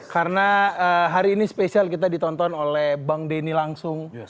karena hari ini spesial kita ditonton oleh bang denny langsung